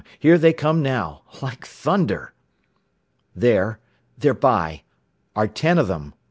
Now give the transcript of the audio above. Here they come now! Like thunder! "There they're by! Are ten of them.